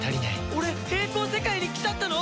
俺並行世界に来ちゃったの！？